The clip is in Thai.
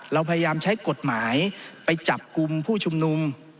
เราพยายามใช้กฎหมายไปจับกลุ่มผู้ชุมนุม